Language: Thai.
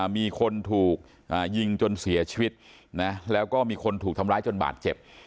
มีคนถูกยิงจนเสียชีวิตนะแล้วก็มีคนถูกทำร้ายจนบาดเจ็บ